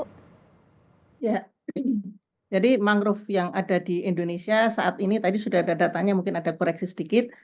ya jadi mangrove yang ada di indonesia saat ini tadi sudah ada datanya mungkin ada koreksi sedikit